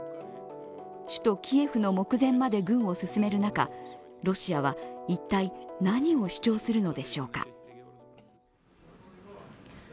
首都キエフの目前まで軍を進める中ロシアは一体何を主張するのでしょうか。